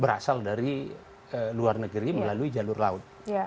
berasal dari luar negeri melalui jalur laut